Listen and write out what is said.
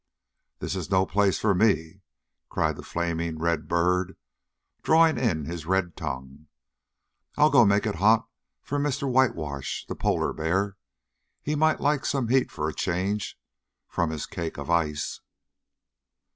"This is no place for me!" cried the flaming red bird, drawing in his red tongue. "I'll go make it hot for Mr. Whitewash, the polar bear. He might like some heat for a change from his cake of ice."